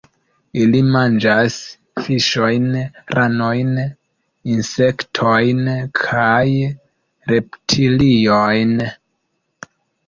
Ili manĝas fiŝojn, ranojn, insektojn kaj reptiliojn.